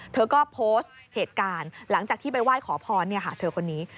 เธอก็โพสต์เหตุการณ์หลังจากที่ไปไหว้ขอพรเธอคนนี้